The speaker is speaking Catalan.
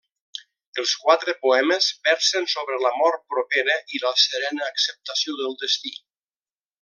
Els quatre poemes versen sobre la mort propera i la serena acceptació del destí.